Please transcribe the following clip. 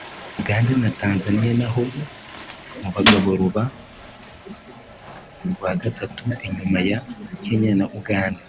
Uganda na Tanzania naho mu bagabo ruba urwa gatatu inyuma ya Kenya na Uganda